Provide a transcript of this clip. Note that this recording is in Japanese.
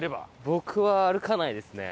僕は歩かないですね。